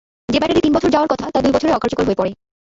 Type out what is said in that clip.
যে ব্যাটারি তিন বছর যাওয়ার কথা তা দুই বছরেই অকার্যকর হয়ে পড়ে।